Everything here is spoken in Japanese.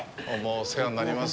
お世話になります。